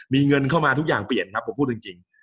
มีเงินเข้ามาทุกอย่างเปลี่ยนครับผมพูดจริง